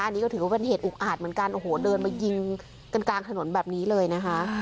อันนี้ก็ถือว่าเป็นเหตุอุกอาจเหมือนกันโอ้โหเดินมายิงกันกลางถนนแบบนี้เลยนะคะ